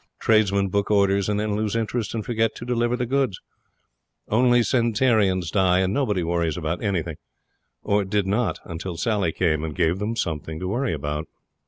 Tradesmen book orders, and then lose interest and forget to deliver the goods. Only centenarians die, and nobody worries about anything or did not until Sally came and gave them something to worry about.